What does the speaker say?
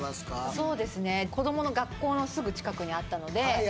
そうですね子どもの学校のすぐ近くにあったのではい